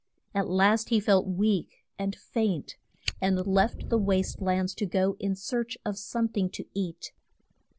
At last he felt weak and faint, and left the waste lands to go in search of some thing to eat.